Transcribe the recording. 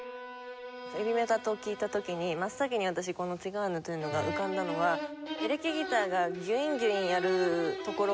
ヘヴィメタと聞いた時に真っ先に私この『ツィガーヌ』というのが浮かんだのはエレキギターがギュインギュインやるところがね